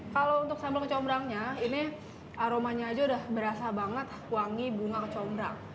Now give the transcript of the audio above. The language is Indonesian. kalau untuk sambal kecombrangnya ini aromanya aja udah berasa banget wangi bunga kecombrang